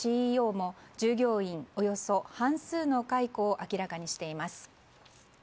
ＣＥＯも従業員およそ半数の解雇を明らかにしています。